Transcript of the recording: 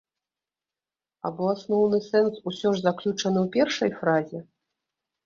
Або асноўны сэнс усё ж заключаны ў першай фразе?